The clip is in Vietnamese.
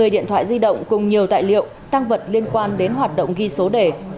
một mươi điện thoại di động cùng nhiều tài liệu tăng vật liên quan đến hoạt động ghi số đề